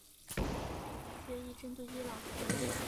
协议针对伊朗核问题。